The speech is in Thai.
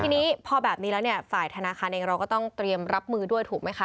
ทีนี้พอแบบนี้แล้วเนี่ยฝ่ายธนาคารเองเราก็ต้องเตรียมรับมือด้วยถูกไหมคะ